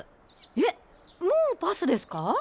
えっもうパスですか？